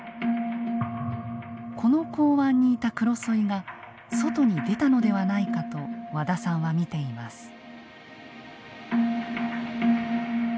この港湾にいたクロソイが外に出たのではないかと和田さんは見ています。